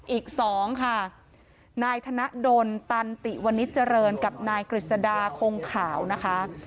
อีก๒ค่ะนายธนดลตันติวณิชเจริญกับนายกฤษดาคงขาวนะคะ